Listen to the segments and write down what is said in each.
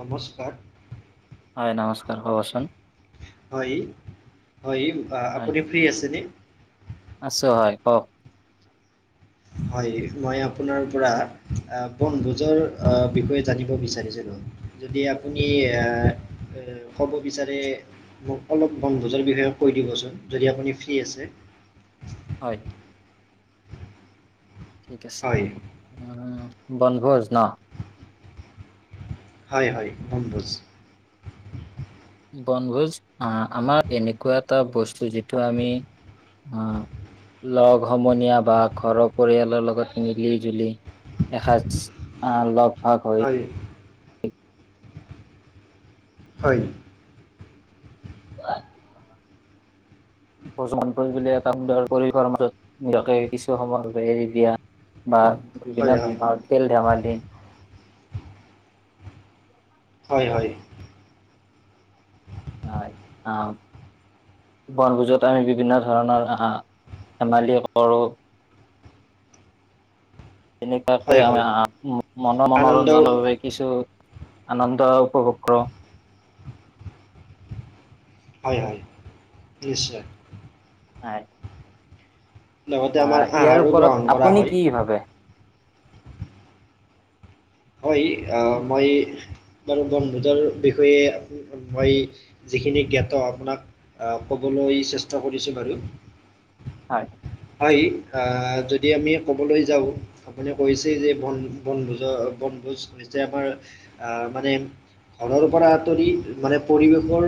নমস্কাৰ হয় নমস্কাৰ হ'বচোন। হয় হয় হয় আপুনি ফ্ৰী আছেনে? আছো হয়। কওক? হয় মই আপোনাৰ পৰা বনভোজৰ বিষয়ে জানিব বিচাৰিছিলোঁ। যদি আপুনি ক'ব বিচাৰে মোক অলপ বনভোজৰ বিষয়ে কৈ দিবচোন যদি আপুনি ফ্ৰী আছে। হয়। ঠিক আছে হয় বনভোজ ন। হয় হয় বনভোজ। বনভোজ আহ আমাৰ এনেকুৱা এটা বস্তু যিটো আমি আহ লগ সমনীয়া বা ঘৰৰ পৰিয়ালৰ লগত মিলি জুলি এসাজ আল লগ ভাগ হওক হয়। হয়। আ প্ৰচমন পৰিলে এটা সুন্দৰ পৰিৱাৰ মাজত নিজকে কিছু সময় এৰি দিয়া। বা বিনা হয় ধ হয় তেল ধেমালি হয় হয়। হয় আও বনভোজত আমি বিভিন্ন ধৰণৰ হা ধেমালি কৰোঁ তেনেকুৱাকে হয় হয় আমি মন আনন্দও মনোৰঞ্জনৰ বাবে কিছু আনন্দ উপভোগ কৰো। হয় হয় নিশ্চয়। হয়। লগতে আ আমাৰ ইয়াৰ আহাৰো ওপৰত গ্ৰহণ কৰা আপুনি হয় কি ভাবে? হয় ই আ মই বাৰু বন্ধুতৰ বিষয়ে মই যিখিনি জ্ঞাত আপোনাক আহ ক'বলৈ চেষ্টা কৰিছো বাৰু হয়। হয় আ যদি আমি ক'বলৈ যাওঁ আপুনে কৈছেই যে বন বনভোজৰ বনভোজ হৈছে আমাৰ আহ মানে ঘৰৰ পৰা আঁতৰি মানে পৰিৱেশৰ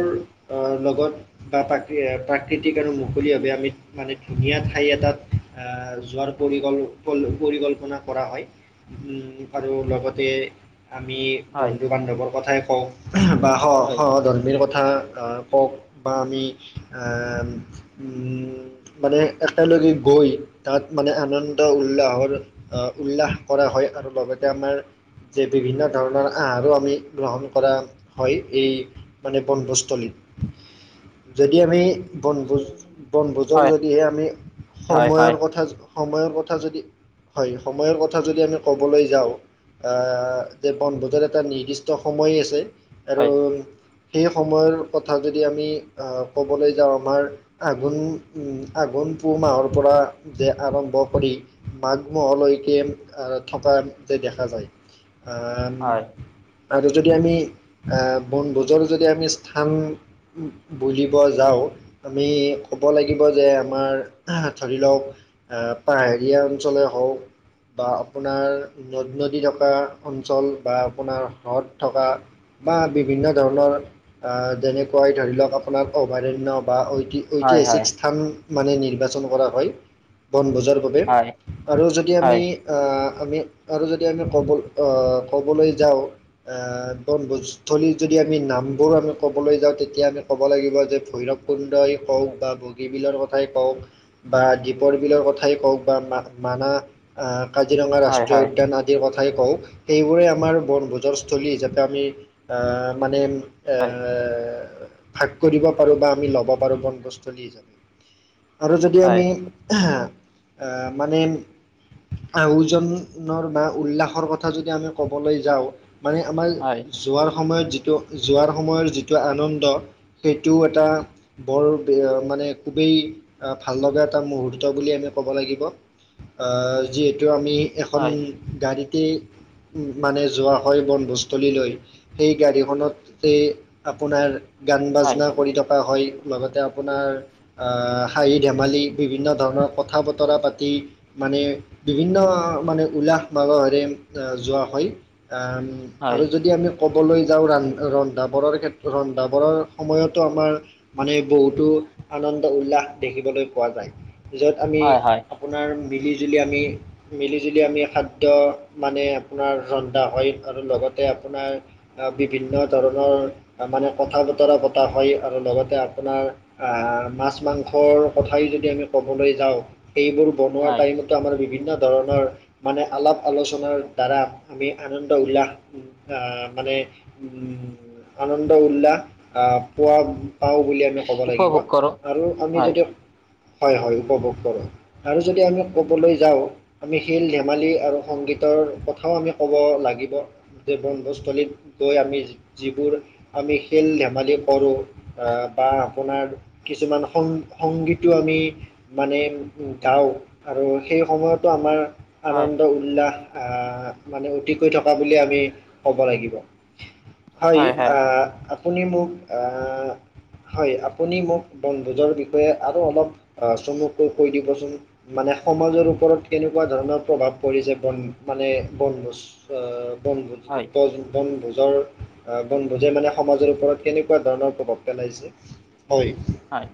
অ লগত বা প্ৰাকৃ প্ৰাকৃতিক আৰু মুকলিভাৱে আমি মানে ধুনীয়া থাক ঠাই এটাত আহ যোৱাৰ পৰিকল পৰিকল্পনা কৰা হয়। উম আৰু লগতে আমি হয় বন্ধু বান্ধৱৰ কথাই কওঁ আহ বা স হয় স ধৰ্মীৰ কথা আহ হওক বা আমি আ উম মানে একেলগে গৈ তাত মানে আনন্দ উল্লাহৰ আহ উল্লাস কৰা হয় আৰু লগতে আমাৰ যে বিভিন্ন ধৰণৰ আহাৰো আমি গ্ৰহণ কৰা হয় এই মানে বনভোজ স্থলীত যদি আমি বনভোজ বনভোজৰ হয় যদিহে আমি হয় সময়ৰ হয় কথা সময়ৰ কথা যদি হয় সময়ৰ কথা যদি আমি ক'বলৈ যাওঁ আ যে বনভোজৰ এটা নিৰ্দিষ্ট সময়েই আছে আৰু সেই সময়ৰ কথা যদি আমি ক'বলৈ যাওঁ আমাৰ আঘোণ উম আঘোণ পুহ মাহৰ পৰা যে আৰম্ভ কৰি মাঘ মাহলৈকে আ থকা যে দেখা যায়। আ হয় আৰু যদি আমি আহ বনভোজৰো যদি আমি স্থান বুজিব যাওঁ, আমি ক'ব লাগিব যে আমাৰ আহ ধৰি লওক আ পাহাৰীয়া অঞ্চলে হওক বা আপোনাৰ নদী- নদী থকা অঞ্চল বা আপোনাৰ হ্ৰদ থকা বা বিভিন্ন ধৰণৰ আ যেনেকুৱাই ধৰি লওক আপোনাৰ অভয়াৰণ্য বা ঐতি হয় ঐতিহাসিক হয় স্থান মানে নিৰ্বাচন কৰা হয়, বনবজাৰ বাবে হয় আৰু যদি আমি হয় আ আমি আৰু যদি আমি ক'ব অ ক'বলৈ যাওঁ আহ বনভোজস্থলী যদি আমি নামবোৰ আমি ক'বলৈ যাওঁ তেতিয়া আমি ক'ব লাগিব যে ভৈৰৱ কুন্দই কওক বা বগীবিলৰ কথাই কওক বা দ্বীপৰ বিলৰ কথাই কওক বা মা মানা আহ কাজিৰঙা হয় ৰাষ্ট্ৰীয় হয় হয় উদ্যানত তে কথাই কওঁ সেইবোৰে আমাৰ বনভোজৰস্থলী হিচাপে আমি আ মানে এৰ ভাগ কৰিব পাৰো বা আমি ল'ব পাৰো বনভোজস্থলী হিচাপে আৰু যদি আমি এহে এ মানে ওজনৰ বা উল্লাসৰ কথা যদি আমি কবলৈ যাওঁ মানে আমাৰ হয় হয় হয় যোৱাৰ সময়ত যিটো যোৱাৰ সময়ত যিটো আনন্দ সেইটো এটা বৰ বীয় মানে খুবেই আ ভাল লগা এটা মুহূৰ্ত বুলি আমি ক'ব লাগিব, আ যিহেতু আমি এখন হয় গাড়ীতেই মানে যোৱা হয় বনভোস্থলীলৈ। সেই গাড়ীখনতে আপোনাৰ গান - হয় বাজনা কৰি থকা হয় লগতে আপোনাৰ আ হাঁহি -ধেমালি বিভিন্ন ধৰণৰ কথা - বতৰা পাতি মানে বিভিন্ন মানে উল্লাহ মালহেৰে যোৱা হয় আম আৰু যদি আমি ক'বলৈ যাওঁ ৰান ৰন্ধা বঢ়াৰ ক্ষেত্ৰত ৰন্ধা বঢ়াৰ সময়তো আমাৰ মানে বহুতো আনন্দ - উল্লাস দেখিবলৈ পোৱা যায়, যত আমি হয় হয় হয় আ পোনাৰ মিলি - জুলি আমি মিলি - জুলি আমি খাদ্য মানে আপোনাৰ ৰন্ধা হয় আৰু লগতে আপোনাৰ আহ বিভিন্ন ধৰণৰ মানে কথা বতৰা পতা হয় আৰু লগতে আপোনাৰ আহ মাছ - মাং খৰ কথাই যদি আমি ক'বলৈ যাওঁ সেইবোৰ বনোৱা হয় টাইমত ত আমাৰ বিভিন্ন ধৰণৰ মানে আলাপ আলোচনাৰ দ্বাৰা আমি আনন্দ উল্লাহ আহ মানে উম আনন্দ উল্লাস আহ পোৱা পাওঁ বুলি আমি ক'ব লাগিব উপভোগ কৰোঁ আৰু আমি হয় যদি হয় হয় উপভোগ কৰোঁ। আৰু যদি আমি ক'বলৈ যাওঁ আমি খেল - ধেমালি আৰু সংগীতৰ কথাও আমি ক'ব লাগিব। যে বনভোজ স্থলীত গৈ আমি জি যিবোৰ আমি খেল - ধেমালি কৰোঁ বা আপোনাৰ কিছুমান সং সংগীতটো আমি মানে গাওঁ আৰু সেই সময়তো আমাৰ হয় আনন্দ উল্লাস আহ মানে অতিকৈ থকা বুলি আমি ক'ব লাগিব। হয় আ আপুনি মোক আ হয় আপুনি মোক বন ভোজৰ বিষয়ে আৰু অলপ আ চমুকৈ কৈ দিবচোন? মানে সমাজৰ ওপৰত কেনেকুৱা ধৰণৰ প্ৰভাৱ পৰিছে বন মানে বনভোজ আ বনভোজ হয় টো কম বনভোজৰ আ বনভোজে মানে সমাজৰ ওপৰত কেনেকুৱা ধৰণৰ প্ৰভাৱ পেলাইছে? হয়। হয়,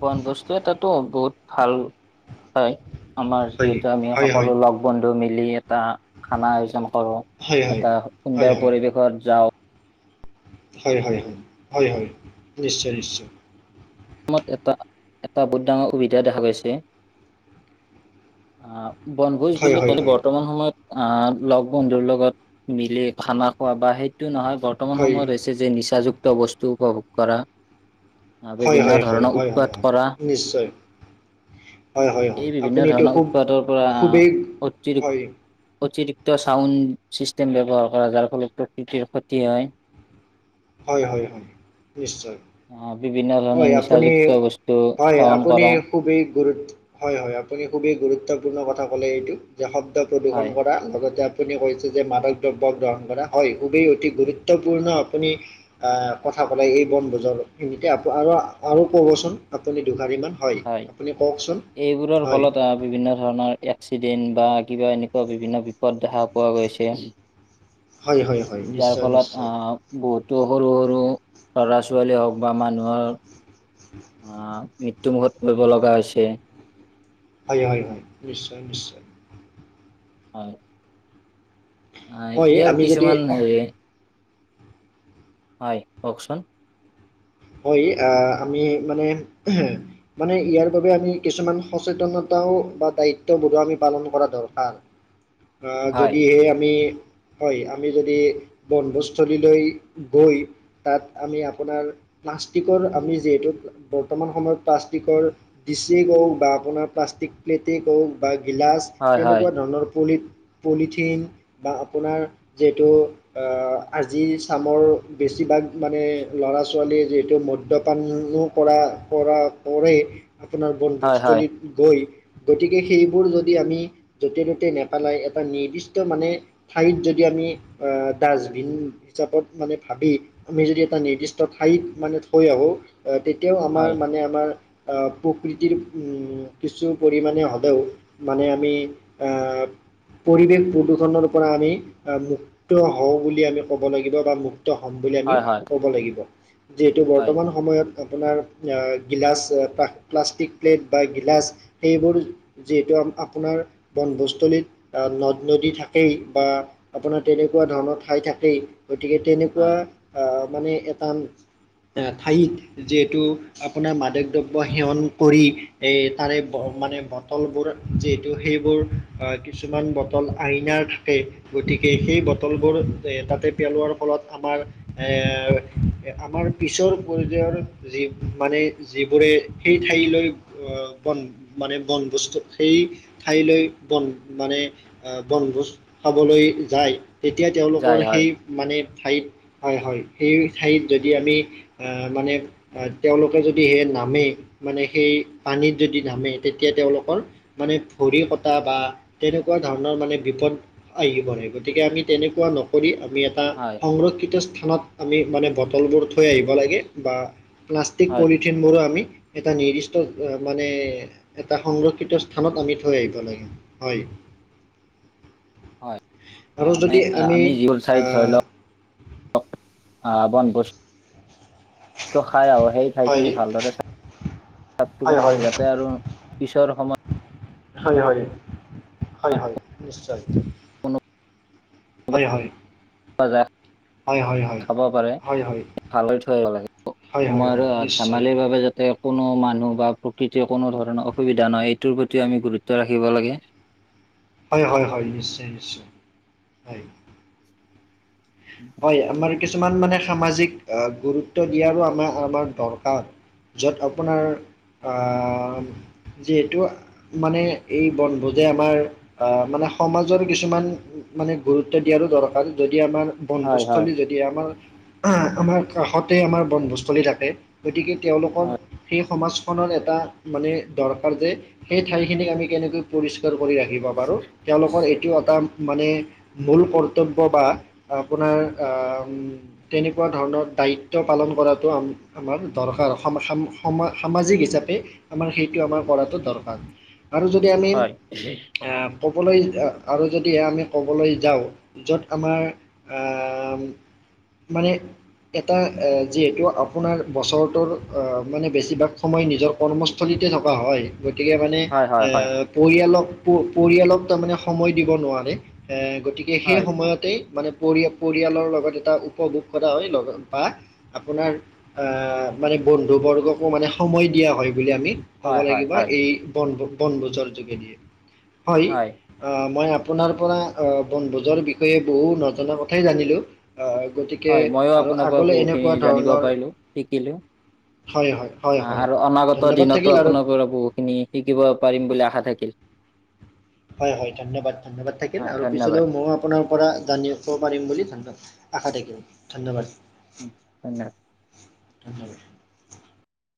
বনভোজটো তটো বহুত ভাল হয়। আমাৰ হয় যিহেতু আমি হয় সকলো লগ বন্ধু মিলি এটা খানা আয়োজন কৰো হয় হয় এটা সুন্দৰ হয় হয় পৰিৱেশত যাও। হয় হয় হয়, হয় হয় নিশ্চয় নিশ্চয়। অসমত এটা এটা বহুত ডাঙৰ সুবিধা দেখা গৈছে। আ বনভোজ হয় বুলি হয় ক'লে হয় বৰ্তমান সময়ত আ লগ বন্ধুৰ লগত মিলি খানা খোৱা বা সেইটো নহয় বৰ্তমান হয় সময়ত হৈছ চে যে নিচাযুক্ত বস্তু উপভোগ কৰা। হয় বিভিন্ন হয় হয় ধৰণৰ হয় হয় উৎপাত হয় কৰা নিশ্চয় হয় হয় হয় এই বিভিন্ন আপুনি এইটো ধৰণৰ খুব উৎপাতৰ পৰা খুবেই অতিৰি হয় অতিৰিক্ত ত চাউণ্ড চিষ্টেম ব্যৱহাৰ কৰা যাৰ ফলত প্ৰকৃতিৰ ক্ষতি হয়। হয় হয় হয়, নিশ্চয়। আহ বিভিন্ন ধৰণৰ হয় আপুনি, নিচাযুক্ত বস্তু হয় সেৱন আপুনি কৰা খুবেই গুৰু, হয় হয় আপুনি খুবেই গুৰুত্বপূৰ্ণ কথা ক'লে এইটো যে শব্দ প্ৰদূষণ হয় কৰা লগতে আপুনি কৈছে যে মাদক দ্ৰব্য গ্ৰহণ কৰা হয় খুবেই অতি গুৰুত্বপূৰ্ণ আপুনি আ কথা পেলাই এই বনভোজৰখিনিতে আকো আৰু আৰু ক'বচোন আপুনি দুশাৰীমান? হয় আপুনি কওকচোন এইবোৰৰ হয়? ফলত আহ বিভিন্ন ধৰণৰ এক্সিডেন্ট বা কিবা এনেকুৱা বিভিন্ন বিপদ দেখা পোৱা গৈছে। হয় হয়। হয় যাৰ নিশ্চয় ফলত নিশ্চয় আহ বহুতো সৰু সৰু লৰা ছোৱালী হওক বা মানুহৰ আহ মৃত্যুমুখত পৰিব লগা হৈছে। হয় হয় হয় নিশ্চয় নিশ্চয় হয় হয় ইয়াৰ আমি যদি কিছুমান হেৰি হয় কওকচোন হয় আহ আমি মানে মানে ইয়াৰ বাবে আমি কিছুমান সচেতনতাও বা দায়িত্ববোৰো আমি পালন কৰা দৰকাৰ আহ হয় যদি সেই আমি হয় আমি যদি বনধস্থলীলৈ গৈ তাত আমি আপোনাৰ প্লাষ্টিকৰ আমি যিহেতু বৰ্তমান সময়ত প্লাষ্টিকৰ ডিচেই কওক বা আপোনাৰ প্লাষ্টিক প্লেটেই কওক বা গিলাচ হয় হয় তেনেকুৱা ধৰণৰ পলি পলিথিন বা আপোনাৰ যিহেতু আজি চামৰ বেছিভাগ মানে ল'ৰা ছোৱালীৰ যিহেতু মদ্যপানো কৰা কৰা কৰে আপোনাৰ হয় হয় বনভূজস্থলীত গৈ গতিকে সেইবোৰ যদি আমি য'তে ত'তে নেপেলাই এটা নিৰ্দিষ্ট মানে ঠাইত যদি আমি আহ ডাষ্টবিন হিচাপত মানে ভাবি আমি যদি এটা নিৰ্দিষ্ট ঠাইত মানে থৈ আহো আহ তেতিয়াও আমাৰ হয় মানে আমাৰ প্ৰকৃতিৰ কিছু পৰিমাণে হ'লেও মানে আমি আহ পৰিৱেশ প্ৰদূষণৰ পৰা আমি মুক্ত হওঁ বুলি আমি ক'ব লাগিব বা মুক্ত হ'ম বুলি আমি হয় হয় ক'ব লাগিব যিহেতু হয় বৰ্তমান সময়ত আপোনাৰ গিলাচ প্লাষ্টিক প্লেট বা গিলাচ সেইবোৰ যিহেতু আপোনাৰ বনভূজস্থলীত নদ নদী থাকেই বা আপোনাৰ তেনেকুৱা ধৰণৰ ঠাই থাকেই গতিকে তেনেকুৱা হয় আহ মানে এটা ঠাইত যিহেতু আপোনাৰ মাদক দ্ৰব্য সেৱন কৰি এই তাৰে মানে বটল বোৰ যিহেতু সেইবোৰ আহ কিছুমান ব ল আইনাৰ থকে। গতিকে সেই বটলবোৰ এ তাতে পেলোৱাৰ ফলত আমাৰ এৰ আমাৰ পিছৰ পৰ্য্যায়ৰ যি মানে যিবোৰে সেই ঠাইলৈ বন মানে বনবস্তু সেই ঠাইলৈ বন মানে আহ বনভোজ খাবলৈ যায়, তেতিয়া তেওঁলোকৰ যায় হয় সেই মানে ঠাইত হয় হয় সেই ঠাইত যদি আমি আহ মানে তেওঁলোকে যদি সে নামে মানে সেই পানীত যদি নামে তেতিয়া তেওঁলোকৰ মানে ভৰি কটা বা তেনেকুৱা ধৰণৰ মানে বিপদ আহি পৰে গতিকে আমি তেনেকুৱা নকৰি আমি এয়াত এটা হয় সংৰক্ষিত স্থানত আমি মানে বটলবোৰ থৈ আহিব লাগে বা প্লাষ্টিক হয় পলিথিনবোৰো আমি এটা নিৰ্দিষ্ট মানে এটা সংৰক্ষিত স্থানত আমি থৈ আহিব লাগে, হয়। হয় আৰু ম যদি আমি জি ল চাই ধৰি আহ, লওক বন বস্তু খাই আহ সেই ঠাই হয় খিনি ভালদৰে চাই চাফ হয় চিকুণ হয় কৰি যাতে আৰু পিছৰ সময়ত হয় হয় হয় হয় নিশ্চয় কোনো হয় হয় যায় হয় হয় হয় খাব পাৰে হয় হয় ভালকৈ থৈ আহিব লাগে। হয় হয় সময় হয় আৰু নিশ্চয় ধেমালিৰ বাবে যাতে কোনো মানুহ বা প্ৰকৃতিৰ কোনো ধৰণৰ অসুবিধা নহয় এইটোৰ প্ৰতিও আমি গুৰুত্ব ৰাখিব লাগে হয় হয় হয় নিশ্চয় নিশ্চয় হয় উম হয় আমাৰ কিছুমান মানে সামাজিক গুৰুত্ব দিয়াৰো আমাৰ - আমাৰ দৰকাৰ। য'ত আপোনাৰ আ, যিহেটো মানে এই বন বোৰযে আমাৰ আহ মানে সমাজৰ কিছুমান মানে গুৰুত্ব দিয়াৰো দৰকাৰ যদি আমাৰ হয় হয় বনভোজস্থলী যদি আমাৰ আমাৰ কাষতে আমাৰ বনভোজস্থলী থাকে। গতিকে তেওঁলোকৰ হয়। সেই সমাজখনৰ এটা মানে দৰকাৰ যে সেই ঠাইখিনিক আমি কেনেকৈ পৰিষ্কাৰ কৰি ৰাখ ৰাখিব পাৰো তেওঁলোকৰ এইটোও এটা মানে মূল কৰ্তব্য বা আপোনাৰ তেনেকুৱা ধৰণৰ দায়িত্ব পালন কৰাটো আমাৰ দৰকাৰ সম - সামাজিক হিচাপে আমাৰ সেইটো আমাৰ কৰাটো দৰকাৰ আৰু যদি আমি হয় আহ ক'বলৈ আৰু যদি আমি ক'বলৈ যাও য'ত আমাৰ আ, মানে এটা যিহেতু আপোনাৰ বছৰটোৰ মানে বেছিভাগ সময় নিজৰ কৰ্ম স্থলীতে থকা হয় গতিকে মানে হয় হয় হয় পৰিয়ালক পৰিয়ালক তাৰমানে সময় দিব নোৱাৰে এ গতিকে সেই হয় সময়তেই মানে পৰি পৰিয়ালৰ লগত এটা উপভোগ কৰা হয় লগ বা আপোনাৰ মানে বন্ধুবৰ্গকো মানে সময় দিয়া হয় বুলি আমি হ'ব হয় লাগিব হয় হয় এই বনভো বনভোজৰ যোগেদিয়ে হয়। অ, মই আপোনাৰ পৰা আহ বনভোজৰ বিষয়ে বহু নজনা কথাই জানিলো। হয় মইয়ো আপোনাৰ পৰা বহুতখিনি এনেকুৱা জানিব ধৰণৰ পাৰিলো শিকিলো। অ, হয় হয় হয় হয় আৰু হয় অনাগত ধন্যবাদ থাকিল দিনতো আৰু আপোনাৰ পৰা বহুখিনি শিকিব পাৰিম বুলি আশা থাকিল। হয়- হয় ধন্যবাদ- ধন্যবাদ থাকিল হয় আৰু ধন্যবাদ পিছলৈও মই আপোনাৰ পৰা জানিব পাৰিম বুলি ধন্যবাদ আশা থাকিল ধন্যবাদ। উম, ধন্যবাদ। [inaudible]